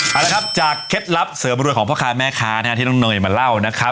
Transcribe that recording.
เอาละครับจากเคล็ดลับเสริมรวยของพ่อค้าแม่ค้านะฮะที่น้องเนยมาเล่านะครับ